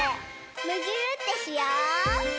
むぎゅーってしよう！